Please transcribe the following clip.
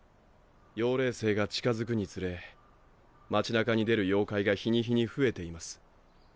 妖霊星が近づくにつれ街中に出る妖怪が日に日に増えています。